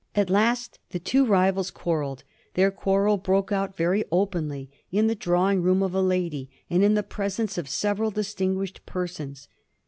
At last the two rivals quarrelled. Their quarrel broke out very openly, in the drawing room of a lady, and in the presence of several dis tinguished persons.